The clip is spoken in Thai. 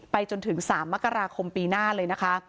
จนถึง๓มกราคมปีหน้าเลยนะคะ